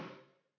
lo harus berhenti